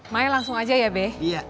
maya langsung aja ya be